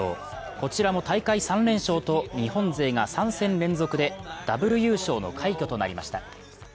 こちらも大会３連勝と日本勢が３戦連続でダブル優勝の快挙となりました。